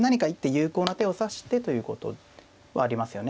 有効な手を指してということはありますよね。